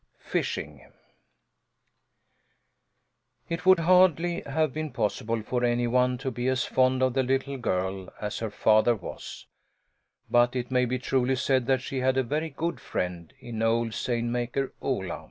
FISHING It would hardly have been possible for any one to be as fond of the little girl as her father was; but it may be truly said that she had a very good friend in old seine maker Ola.